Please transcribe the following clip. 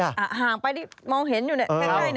ห่างไปดิมองเห็นอยู่ใกล้